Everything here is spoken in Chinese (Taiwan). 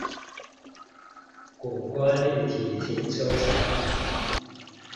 谷關立體停車場